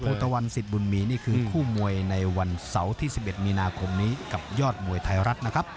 ตะวันสิทธิ์บุญมีนี่คือคู่มวยในวันเสาร์ที่๑๑มีนาคมนี้กับยอดมวยไทยรัฐนะครับ